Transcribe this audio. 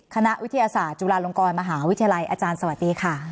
คณะวิทยาศาสตร์จุฬาลงกรมหาวิทยาลัยอาจารย์สวัสดีค่ะ